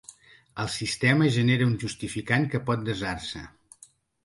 El sistema genera un justificant que pot desar-se.